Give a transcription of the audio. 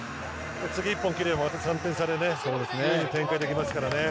次、１本切ればまた３点差でいい展開できますから。